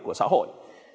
của xã hội